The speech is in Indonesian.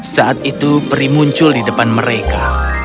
saat itu peri muncul di depan mereka